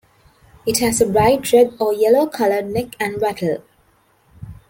It has a bright red or yellow colored neck and wattle.